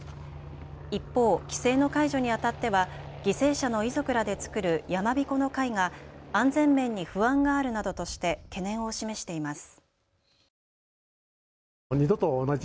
一方、規制の解除にあたっては犠牲者の遺族らで作る山びこの会が安全面に不安があるなどとして懸念を示しています。